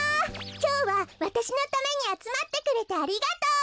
きょうはわたしのためにあつまってくれてありがとう！